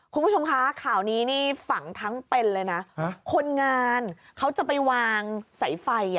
คุณผู้ชมคะข่าวนี้นี่ฝังทั้งเป็นเลยนะคนงานเขาจะไปวางสายไฟ